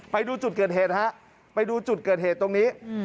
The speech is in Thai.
ไปดูจุดเกิดเหตุฮะไปดูจุดเกิดเหตุตรงนี้